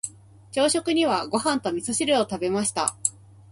朝食にはご飯と味噌汁を食べました。